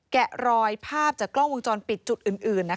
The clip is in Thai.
แกะรอยภาพจากกล้องวงจรปิดจุดอื่น